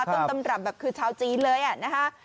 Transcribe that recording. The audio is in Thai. ต้นตำรับแบบคือชาวจีนเลยนะคะ